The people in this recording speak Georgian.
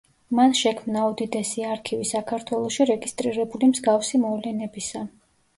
მან შექმნა უდიდესი არქივი საქართველოში რეგისტრირებული მსგავსი მოვლენებისა.